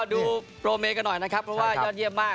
ดูโปรเมกันหน่อยนะครับเพราะว่ายอดเยี่ยมมาก